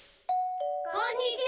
・こんにちは！